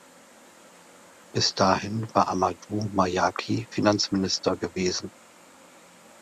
Bis dahin war Ahmadou Mayaki Finanzminister gewesen.